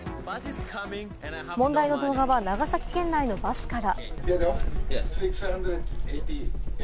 問題の動画は長崎県内のバスから。